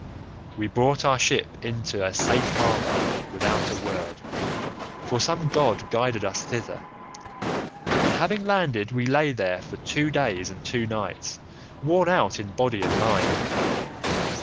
We brought our ship into a safe harbour without a word, for some god guided us thither, and having landed we lay there for two days and two nights, worn out in body and mind.